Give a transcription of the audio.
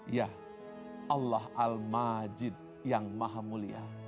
ya allah al majid yang maha mulia